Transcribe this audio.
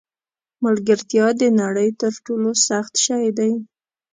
ملګرتیا د نړۍ تر ټولو سخت شی دی.